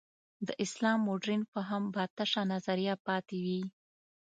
د اسلام مډرن فهم به تشه نظریه پاتې وي.